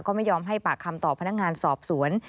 ก็ไม่ยอมให้ปากคำต่อพนักงานสอบสวน